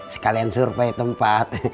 sekalian survei tempat